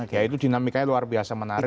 ya itu dinamikanya luar biasa menarik